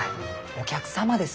お客様です。